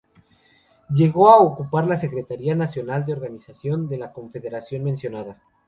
Llegó a ocupar la Secretaría Nacional de Organización de la Confederación mencionada.